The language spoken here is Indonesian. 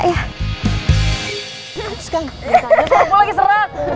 biasanya suara gue lagi seret